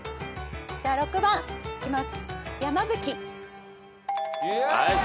じゃあ６番。いきます。